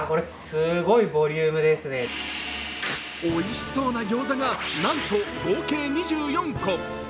おいしそうなギョーザがなんと合計２４個。